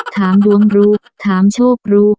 ถามดวงรู้ถามโชครู้